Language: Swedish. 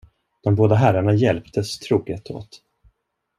De båda herrarna hjälptes troget åt.